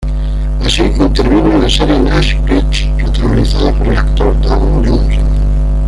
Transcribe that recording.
Así, intervino en la serie Nash Bridges protagonizada por el actor Don Johnson.